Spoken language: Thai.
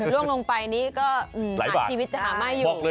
เล่งลงไปนี่เนี่ยก็หาชีวิตจะหาไม่อยู่